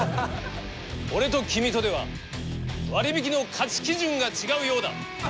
俺と君とでは割引の価値基準が違うようだ。